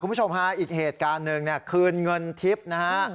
คุณผู้ชมฮะอีกเหตุการณ์นึงคืนเงินทิศนะฮะ